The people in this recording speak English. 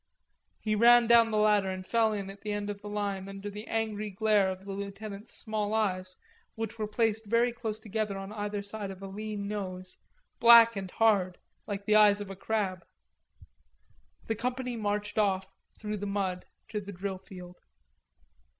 He ran down the ladder and fell in at the end of the line under the angry glare of the lieutenant's small eyes, which were placed very close together on either side of a lean nose, black and hard, like the eyes of a crab. The company marched off through the mud to the drill field.